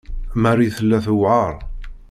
Marie tella tewɛeṛ.